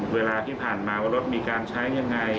เวลาที่ผ่านมาว่ารถมีการใช้ยังไง